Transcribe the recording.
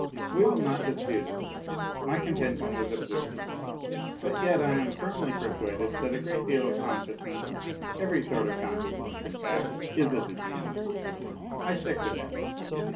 We will not dispute it; my contention was absurd. But yet I am firmly persuaded that a great deal of consciousness, every sort of consciousness, in fact, is a disease. I stick to that.